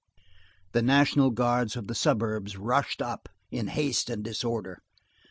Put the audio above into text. The National Guards of the suburbs rushed up in haste and disorder.